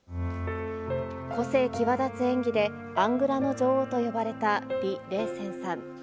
個性際立つ演技で、アングラの女王と呼ばれた李麗仙さん。